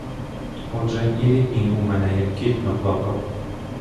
Отже, і рідні у мене як кіт наплакав.